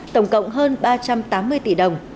tổng cộng hơn ba trăm tám mươi tỷ đồng